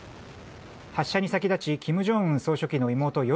発射に先立ち金正恩総書記の妹与